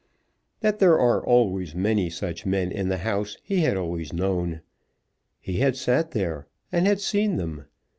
That there are always many such men in the House he had always known. He had sat there and had seen them.